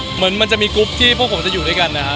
เหมือนมันจะมีกรุ๊ปที่พวกผมจะอยู่ด้วยกันนะครับ